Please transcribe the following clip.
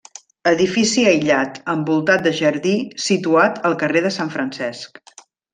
Edifici aïllat, envoltat de jardí, situat al carrer de Sant Francesc.